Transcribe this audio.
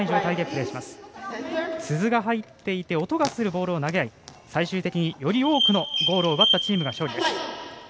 鈴が入っていて音がするボールを投げあい最終的により多くのゴールを奪ったチームが勝利です。